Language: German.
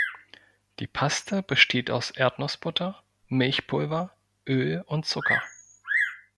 Die Paste besteht aus Erdnussbutter, Milchpulver, Öl und Zucker.